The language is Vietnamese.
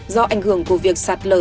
do ảnh hưởng của việc sạt lở